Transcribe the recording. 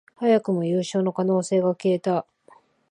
早くも優勝の可能性が消えた